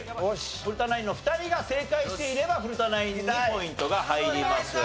古田ナインの２人が正解していれば古田ナインにポイントが入ります。